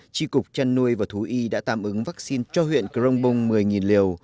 tri cục trăn nuôi và thú y đã tạm ứng vaccine cho huyện crong bông một mươi liều